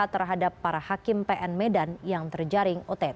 terhadap para hakim pn medan yang terjaring ott